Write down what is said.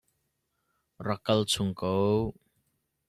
Rak kal chung ko.